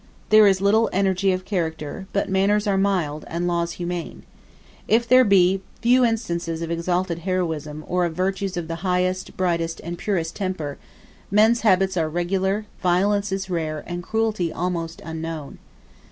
There is little energy of character; but manners are mild, and laws humane. If there be few instances of exalted heroism or of virtues of the highest, brightest, and purest temper, men's habits are regular, violence is rare, and cruelty almost unknown.